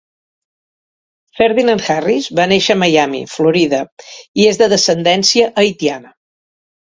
Ferdinand-Harris va néixer a Miami, Florida i és de descendència haitiana.